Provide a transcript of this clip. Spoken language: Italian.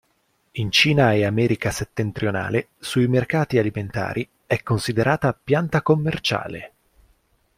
In Cina e America Settentrionale, sui mercati alimentari, è considerata pianta commerciale.